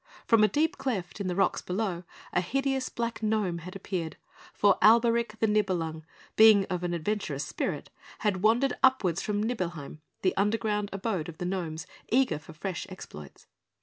From a deep cleft in the rocks below a hideous black gnome had appeared; for Alberic the Nibelung, being of an adventurous spirit, had wandered upwards from Nibelheim, the underground abode of the gnomes, eager for fresh exploits.